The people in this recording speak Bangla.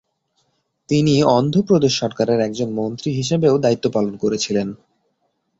তিনি অন্ধ্রপ্রদেশ সরকারের একজন মন্ত্রী হিসেবেও দায়িত্ব পালন করেছিলেন।